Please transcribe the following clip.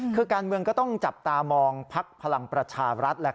คือการเมืองก็ต้องจับตามองพักพลังประชารัฐ